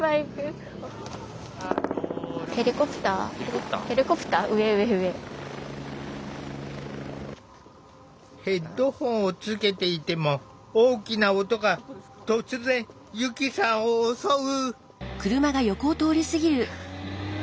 できるだけヘッドホンをつけていても大きな音が突然ゆきさんを襲う！